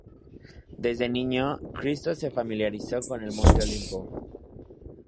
Desde niño, Christos se familiarizó con el Monte Olimpo.